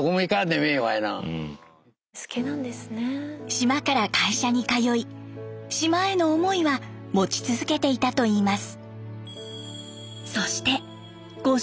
島から会社に通い島への思いは持ち続けていたといいます。